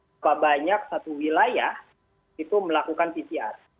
berapa banyak satu wilayah itu melakukan pcr